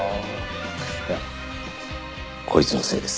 いやこいつのせいです。